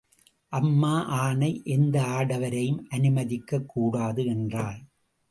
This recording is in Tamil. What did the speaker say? அம்மா ஆணை, எந்த ஆடவரையும் அனுமதிக்கக் கூடாது என்றாள்.